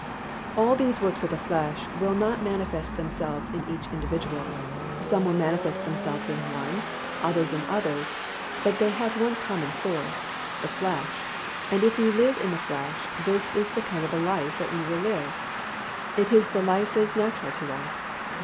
All these works of the flesh will not manifest themselves in each individual; some will manifest themselves in one, others in others, but they have one common source, the flesh, and if we live in the flesh, this is the kind of a life that we will live. It is the life that is natural to us.